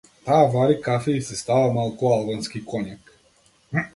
Таа вари кафе и си става малку албански коњак.